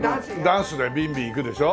ダンスでビンビンいくでしょ？